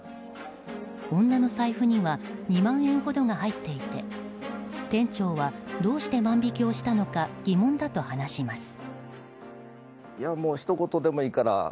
女の財布には２万円程が入っていて店長はどうして万引きをしたのか疑問だと話します。